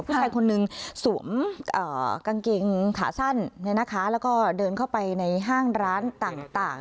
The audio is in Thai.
ผู้ชายคนนึงสวมกางเกงขาสั้นแล้วก็เดินเข้าไปในห้างร้านต่าง